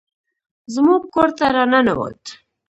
زموږ کور ته راننوت